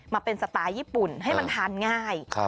มาเป็นสไตล์ญี่ปุ่นให้มันทานง่าย